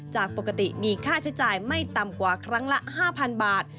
จากปกติมีค่าใช้จ่ายไม่ต่ำกว่าครั้งละ๕๐๐๐บาท